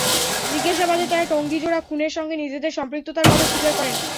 জিজ্ঞাসাবাদে তাঁরা টঙ্গী জোড়া খুনের সঙ্গে নিজেদের সম্পৃক্ততার কথা স্বীকার করেন।